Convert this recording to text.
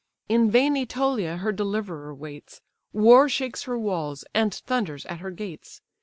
In vain Ætolia her deliverer waits, War shakes her walls, and thunders at her gates.